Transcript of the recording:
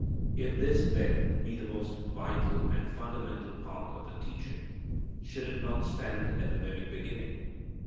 If this, then, be the most vital and fundamental part of the teaching, should it not stand at the very beginning?